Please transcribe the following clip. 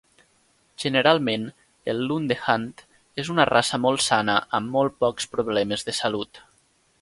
Generalment el Lundehund és una raça molt sana amb molt pocs problemes de salut.